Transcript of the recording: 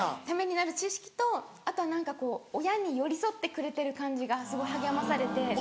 ためになる知識とあとは何かこう親に寄り添ってくれてる感じがすごい励まされて。